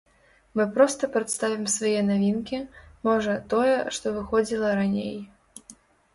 Мы проста прадставім свае навінкі, можа, тое, што выходзіла раней.